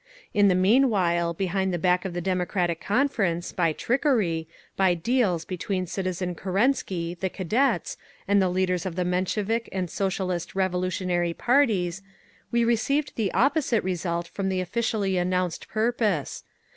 In the meanwhile behind the back of the Democratic Conference, by trickery, by deals between Citizen Kerensky, the Cadets, and the leaders of the Menshevik and Socialist Revolutionary parties, we received the opposite result from the officially announced purpose.